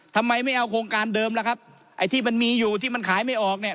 ทำไมไม่เอาโครงการเดิมล่ะครับไอ้ที่มันมีอยู่ที่มันขายไม่ออกเนี่ย